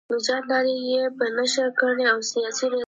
هغې هیڅکله د تسلي ورکولو هڅه ونه کړه.